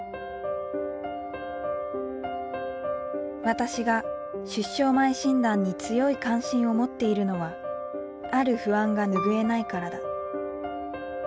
私が出生前診断に強い関心を持っているのはある不安が拭えないからだ。